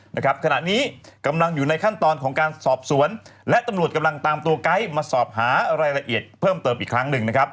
นะครับขณะนี้กำลังอยู่ในขั้นตอนของการสอบสวนและตำรวจกำลังตามตัวไก๊มาสอบหารายละเอียดเพิ่มเติมอีกครั้งหนึ่งนะครับ